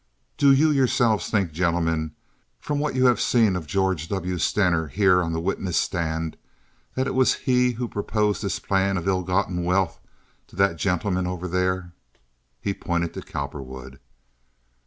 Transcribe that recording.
Do you yourselves think, gentlemen, from what you have seen of George W. Stener here on the witness stand, that it was he who proposed this plan of ill gotten wealth to that gentleman over there?" He pointed to Cowperwood.